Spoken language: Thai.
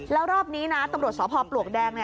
แล้วรอบนี้นะตำรวจสพปลวกแดง